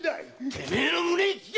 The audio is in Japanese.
てめえの胸に訊け！